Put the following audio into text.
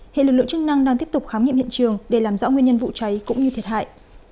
hiện lực lượng chức năng đang tiếp tục khám nghiệm hiện trường để làm rõ nguyên nhân vụ cháy cũng như thiệt hại